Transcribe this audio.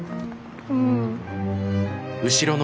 うん。